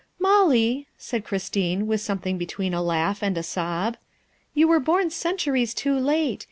" Molly," said Christine, with something between a laugh and a sob, " you were born centuries too late.